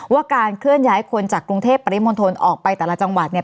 ว่าการเคลื่อนย้ายคนจากกรุงเทพปริมณฑลออกไปแต่ละจังหวัดเนี่ย